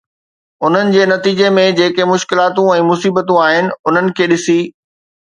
ان جي نتيجي ۾ جيڪي مشڪلاتون ۽ مصيبتون آهن، انهن کي ڏسي